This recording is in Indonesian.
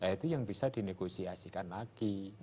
itu yang bisa dinegosiasikan lagi